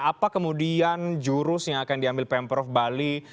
apa kemudian jurus yang akan diambil pm prof bali